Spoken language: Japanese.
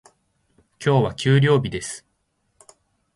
今日は給料日です。